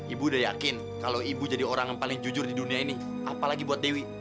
ibu udah yakin kalau ibu jadi orang yang paling jujur di dunia ini apalagi buat dewi